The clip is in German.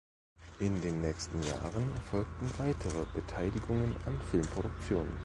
In den nächsten Jahren folgten weitere Beteiligungen an Filmproduktionen.